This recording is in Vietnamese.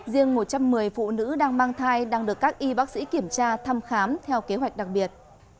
riêng một trăm một mươi phụ nữ đang mang thai đang được các y bác sĩ kiểm tra thăm khám theo kế hoạch đặc biệt